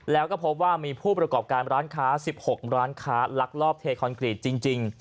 แล้วก็พบว่ามีผู้ประกอบการร้านค้า๑๖ร้านค้าลักลอบเทคอนกรีตจริง